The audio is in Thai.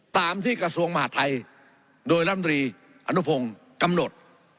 ตามที่กระทรวงมหาดไทยโดยลำตรีอนุพงศ์กำหนด